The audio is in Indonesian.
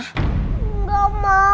kenzo gak mau mama meninggal